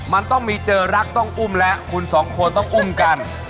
มีเจอรักต้องอุ้มและคุณสองคนต้องอุ้มกัน